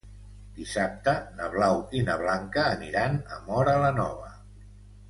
Dissabte na Blau i na Blanca aniran a Móra la Nova.